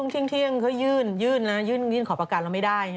เที่ยงเขายื่นนะยื่นขอประกันเราไม่ได้